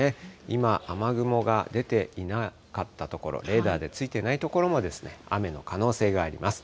今、雨雲が出ていなかった所、レーダーでついてない所も、雨の可能性があります。